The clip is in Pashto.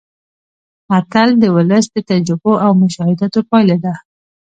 متل د ولس د تجربو او مشاهداتو پایله ده